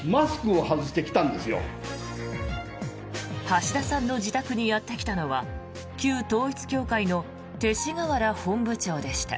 橋田さんの自宅にやってきたのは旧統一教会の勅使河原本部長でした。